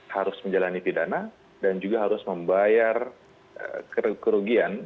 harus menjalani pidana dan juga harus membayar kerugian